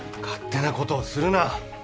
勝手なことをするな。